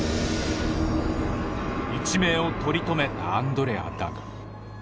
一命を取り留めたアンドレアだが。